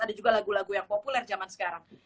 ada juga lagu lagu yang populer zaman sekarang